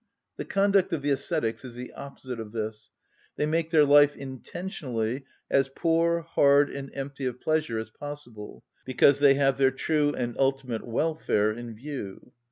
The conduct of the ascetics is the opposite of this. They make their life intentionally as poor, hard, and empty of pleasure as possible, because they have their true and ultimate welfare in view.